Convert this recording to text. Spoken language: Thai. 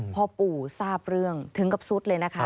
พอปู่ทราบเรื่องถึงกับซุดเลยนะคะ